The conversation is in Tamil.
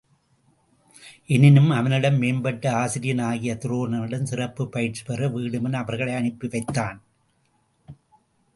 எனினும் அவனினும் மேம்பட்ட ஆசிரியன் ஆகிய துரோணனிடம் சிறப்புப் பயிற்சிபெற வீடுமன் அவர்களை அனுப்பி வைத்தான்.